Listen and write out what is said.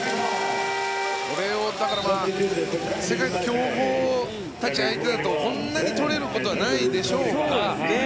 これを世界の強豪たち相手だとこんなに取れることはないでしょう。